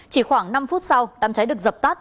chỉ khoảng năm phút sau đám cháy được dập tắt